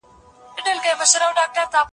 که وخت وي، مکتب ځم.